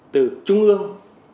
từ trung ương